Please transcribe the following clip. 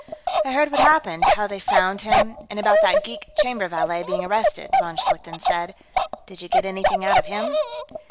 "I heard what happened, how they found him, and about that geek chamber valet being arrested," von Schlichten said. "Did you get anything out of him?"